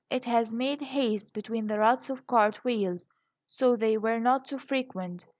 It has made haste between the ruts of cart wheels, so they were not too frequent.